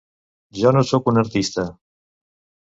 Ja no sóc un artista.